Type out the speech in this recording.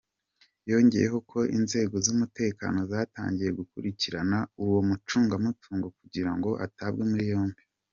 Yongeyeho ko inzego z’umutekano zatangiye gukurikirana uwo mucungamutongo kugira ngo atabwe muri yombi.